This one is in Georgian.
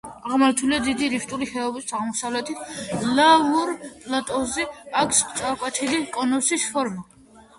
აღმართულია დიდი რიფტული ხეობის აღმოსავლეთით, ლავურ პლატოზე, აქვს წაკვეთილი კონუსის ფორმა.